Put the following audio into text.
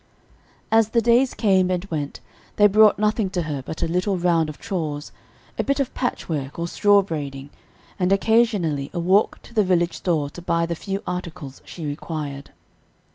As the days came and went, they brought nothing to her but a little round of chores, a bit of patchwork, or straw braiding, and occasionally a walk to the village store to buy the few articles she required.